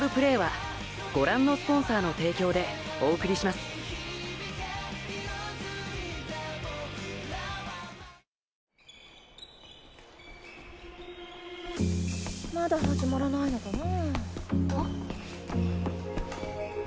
まだ始まらないのかな。